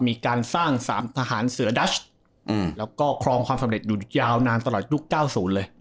มีการสร้าง๓ทหารเสือดัชแล้วก็ครองความสำเร็จอยู่ยาวนานตลอดยุค๙๐เลย